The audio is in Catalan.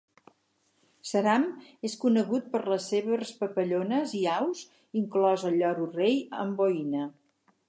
Seram es conegut per les severs papallones i aus, inclòs el lloro rei Amboina.